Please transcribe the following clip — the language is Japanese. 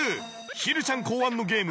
ひるちゃん考案のゲーム